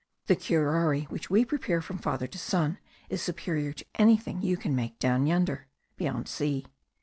The curare, which we prepare from father to son, is superior to anything you can make down yonder (beyond sea).